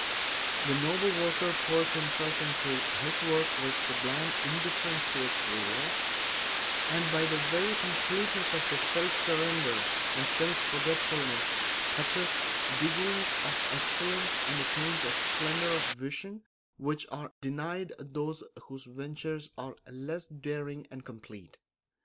The noble worker pours himself into his work with sublime indifference to its rewards, and by the very completeness of his self surrender and self forgetfulness touches degrees of excellence and attains a splendour of vision which are denied those whose ventures are less daring and complete.